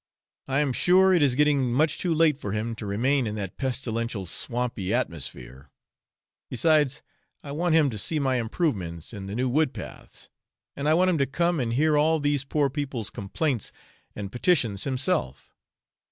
I am sure it is getting much too late for him to remain in that pestilential swampy atmosphere; besides I want him to see my improvements in the new wood paths, and I want him to come and hear all these poor people's complaints and petitions himself.